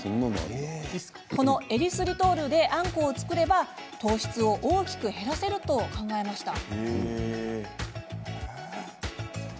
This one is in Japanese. このエリスリトールであんこを作れば糖質を大きく減らせると考えました。